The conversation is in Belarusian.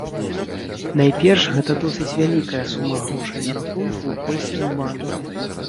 Найперш гэта досыць вялікая сума грошай на рахунку ў польскім банку.